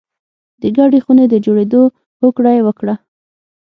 د ګډې خونې د جوړېدو هوکړه یې وکړه